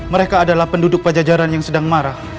mereka adalah penduduk pajajaran yang sedang marah